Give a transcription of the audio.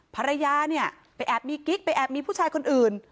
ภรรยาเนี่ยไปแอบมีกิ๊กไปแอบมีผู้ชายคนอื่น